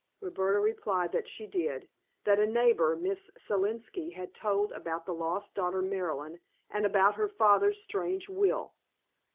Roberta replied that she did; that a neighbor, Miss Selenski, had told about the lost daughter, Marilyn, and about her father's strange will.